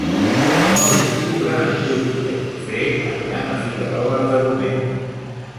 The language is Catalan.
El nou d'octubre en Lluc i en Guifré aniran a Figueroles de Domenyo.